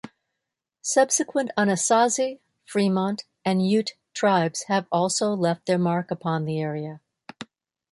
Subsequent Anasazi, Fremont, and Ute tribes have also left their mark upon the area.